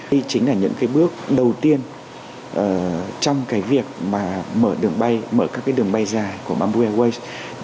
đây chính là những bước đầu tiên trong việc mở đường bay mở các đường bay dài của mambu airways